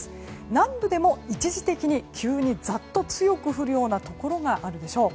南部でも一時的に急にざっと強く降るようなところがあるでしょう。